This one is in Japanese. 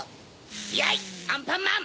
やいアンパンマン！